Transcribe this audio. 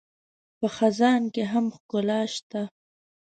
په خزان کې هم ښکلا شته